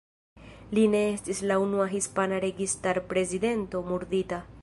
Li ne estis la unua hispana registar-prezidento murdita.